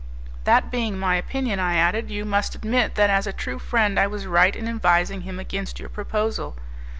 "That being my opinion," I added, "you must admit that as a true friend I was right in advising him against your proposal.